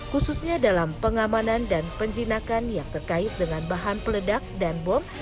khususnya dalam pengamanan dan penjinakan yang terkait dengan bahan peledak dan bom